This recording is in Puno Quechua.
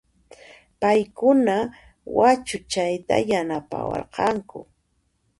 Payquna wachuchayta yanapawarqanku